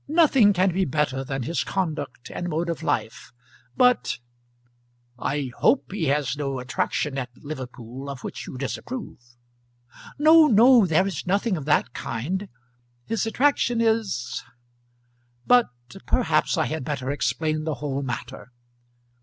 "Nothing can be better than his conduct and mode of life; but " "I hope he has no attraction at Liverpool, of which you disapprove." "No, no; there is nothing of that kind. His attraction is ; but perhaps I had better explain the whole matter.